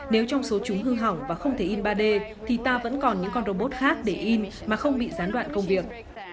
nếu trong số chúng hư hỏng và không thể in ba d thì ta vẫn còn những con robot khác để in mà không bị gián đoạn công việc